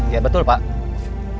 iya betul pak